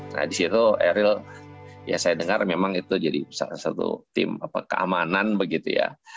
nah disitu eril ya saya dengar memang itu jadi satu tim keamanan begitu ya